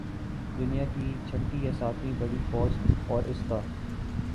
دنیا کی چھٹی یا ساتویں بڑی فوج اور اس کا